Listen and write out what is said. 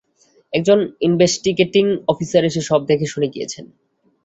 একজন investigating officer এসে সব দেখেশুনে গিয়েছে।